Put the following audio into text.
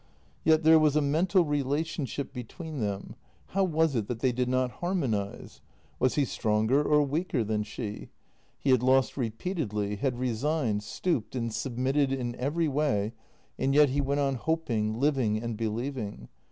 Yet there was a mental relation JENNY 211 ship between them — how was it that they did not harmonize? Was he stronger or weaker than she? He had lost repeatedly, had resigned, stooped, and submitted in every way, and yet he went on hoping, living, and believing.